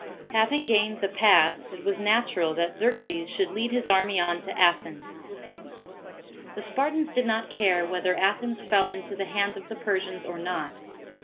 HAVING gained the pass, it was natural that Xerxes should lead his army on to Athens. The Spartans did not care, whether Athens fell into the hands G 98 SAL AMIS. [B.C. 480. of the Persians, or not.